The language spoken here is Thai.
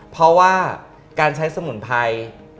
เพราะว่าการใช้สมุนไพร